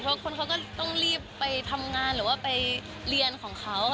เพราะคนเขาก็ต้องรีบไปทำงานหรือว่าไปเรียนของเขา